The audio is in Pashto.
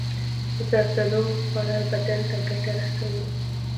زردالو خوړل بدن ته ګټه رسوي.